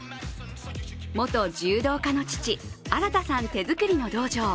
元柔道家の父・新さん手づくりの道場。